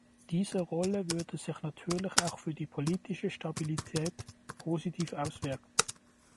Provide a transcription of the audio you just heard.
Diese Rolle würde sich natürlich auch auf die politische Stabilität positiv auswirken.